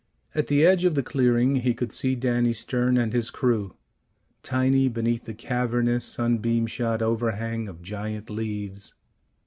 At the edge of the clearing he could see Danny Stern and his crew, tiny beneath the cavernous sunbeam shot overhang of giant leaves.